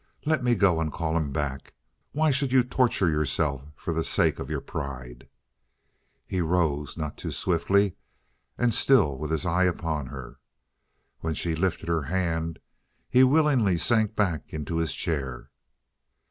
Let me go and call him back. Why should you torture yourself for the sake of your pride?" He even rose, not too swiftly, and still with his eyes upon her. When she lifted her hand, he willingly sank back into his chair.